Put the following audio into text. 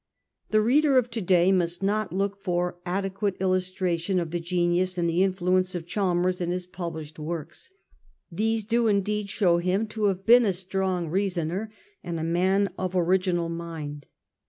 The reader of to day must not look for adequate illustration of the genius and the influence of Chalmers in his published works. These do in deed show him to have been a strong reasoner and a man of original mind.